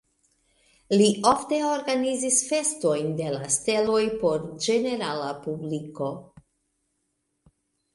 Li ofte organizis festojn de la steloj por ĝenerala publiko.